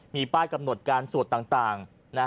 มีป้ายกำหนดการสวดต่าง